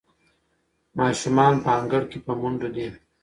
ماشومان په انګړ کې په منډو دي.